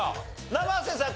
生瀬さん